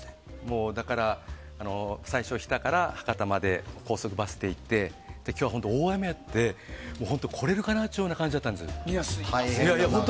だから、最初日田から博多まで高速バスで行って今日は、大雨で来れるかなっていうような感じだったんです。